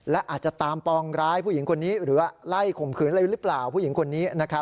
และอาจจะตามปองร้ายผู้หญิงคนนี้หรือว่าไล่ข่มขืนอะไรหรือเปล่าผู้หญิงคนนี้